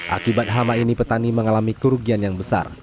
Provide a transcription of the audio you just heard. akibat hama ini petani mengalami kerugian yang besar